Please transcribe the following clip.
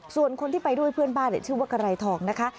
ส่วนคนที่ไปด้วยเพื่อนบ้านชื่อว่ากะไรทองนะคะ